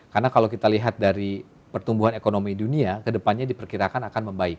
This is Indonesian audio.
karena kalau kita lihat dari pertumbuhan ekonomi dunia kedepannya diperkirakan akan membaik